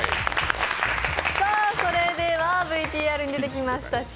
ＶＴＲに出てきました